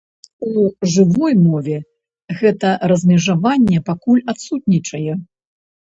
У жывой мове гэта размежаванне пакуль адсутнічае.